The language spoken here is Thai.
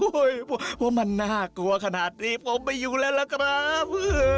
เพราะว่ามันน่ากลัวขนาดนี้ผมไม่อยู่แล้วล่ะครับ